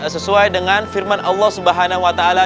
sesuai dengan firman allah subhanahu wa ta'ala